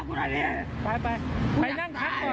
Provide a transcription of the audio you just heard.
ไปไปไปกินไกล